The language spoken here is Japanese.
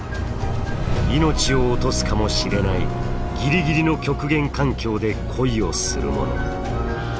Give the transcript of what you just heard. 命を落とすかもしれないギリギリの極限環境で恋をするもの。